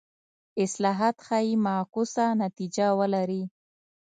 اصلاحات ښايي معکوسه نتیجه ولري.